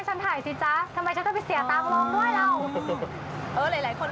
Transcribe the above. ถึงดูกับข้ายลาสทีวีด้วยนะ